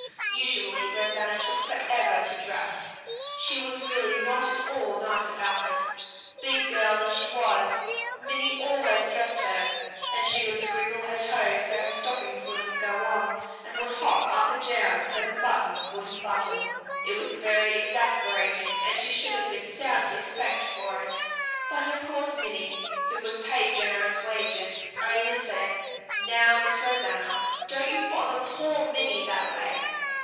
Usually Rosanna took forever to dress. She was really not at all nice about it. Big girl as she was, Minnie always dressed her, and she would scriggle her toes so her stockings wouldn't go on, and would hop up and down so the buttons wouldn't button. It was very exasperating and she should have been soundly spanked for it: but of course Minnie, who was paid generous wages, only said, "Now, Miss Rosanna, don't you bother poor Minnie that a way!"